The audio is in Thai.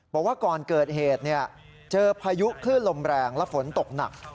บอกว่าก่อนเกิดเหตุเจอพายุคลื่นลมแรงและฝนตกหนัก